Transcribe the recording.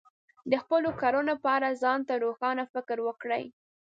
د خپلو کړنو په اړه ځان ته روښانه فکر وکړئ.